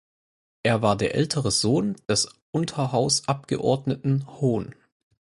Er war der ältere Sohn des Unterhausabgeordneten Hon.